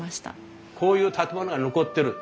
こういう建物が残ってる。